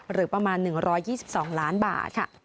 หรือประมาณ๑๒๒ล้านบาทค่ะ